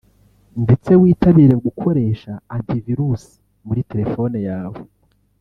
ndetse witabire gukoresha anti-virusi muri telefone yawe